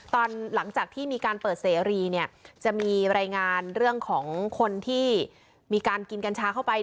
ตอนหลังจากที่มีการเปิดเสรีเนี่ยจะมีรายงานเรื่องของคนที่มีการกินกัญชาเข้าไป